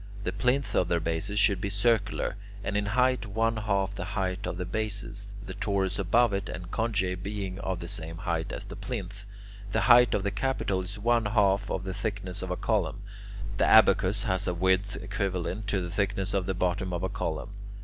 The plinth of their bases should be circular, and in height one half the height of the bases, the torus above it and conge being of the same height as the plinth. The height of the capital is one half the thickness of a column. The abacus has a width equivalent to the thickness of the bottom of a column.